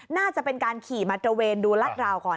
น่าจะเป็นการขี่มาตระเวนดูรัดราวก่อน